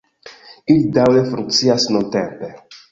Ili daŭre funkcias nuntempe.